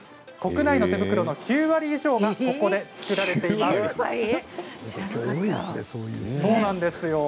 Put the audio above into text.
国内の手袋の９割以上がここで作られているんです。